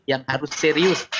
yang harus serius